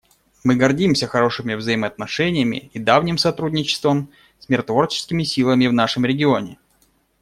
Мы гордимся хорошими взаимоотношениями и давним сотрудничеством с миротворческими силами в нашем регионе.